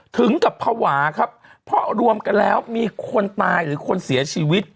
ถึงกับภาวะครับเพราะรวมกันแล้วมีคนตายหรือคนเสียชีวิต